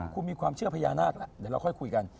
คุณมีความเชื่อพญานาคแล้วเดี๋ยวเราค่อยคุยกัน